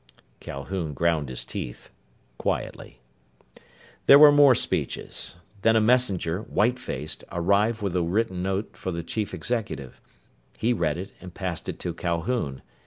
Calhoun ground his teeth quietly. There were more speeches. Then a messenger, white faced, arrived with a written note for the chief executive. He read it and passed it to Calhoun.